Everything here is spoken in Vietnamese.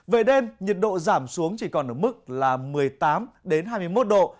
về đêm nhiệt độ giảm xuống chỉ còn ở mức là một mươi tám hai mươi một độ